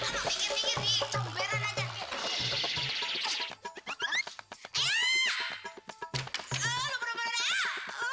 lo pikir pikir di comberan aja